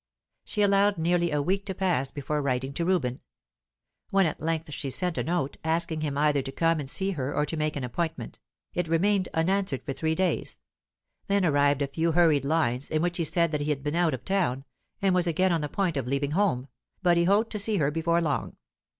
She allowed nearly a week to pass before writing to Reuben. When at length she sent a note, asking him either to come and see her or to make an appointment, it remained unanswered for three days; then arrived a few hurried lines, in which he said that he had been out of town, and was again on the point of leaving home, but he hoped to see her before long.